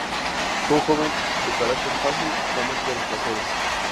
Fue un joven de carácter fácil y amante de los placeres.